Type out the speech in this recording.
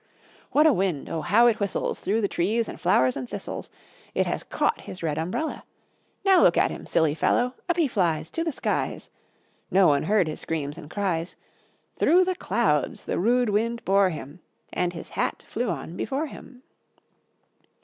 What a wind! oh! how it whistles Through the trees and flowers and thistles! It has caught his red umbrella: Now look at him, silly fellow Up he flies To the skies. No one heard his screams and cries; Through the clouds the rude wind bore him, And his hat flew on before him.